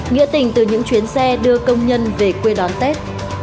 nghĩa tình từ những chuyến xe đưa công nhân về quê đón tết